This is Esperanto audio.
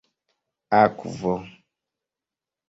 akvo